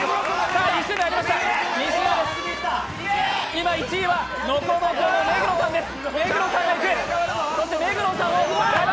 今１位はノコノコの目黒さんです。